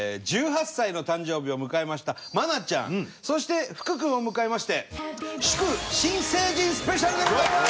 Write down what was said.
１８歳の誕生日を迎えました愛菜ちゃんそして福君を迎えまして祝新成人スペシャルでございます！